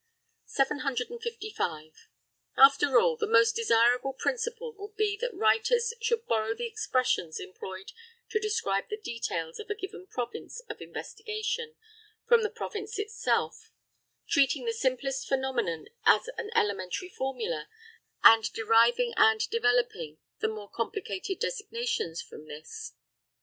755. After all, the most desirable principle would be that writers should borrow the expressions employed to describe the details of a given province of investigation from the province itself; treating the simplest phenomenon as an elementary formula, and deriving and developing the more complicated designations from this.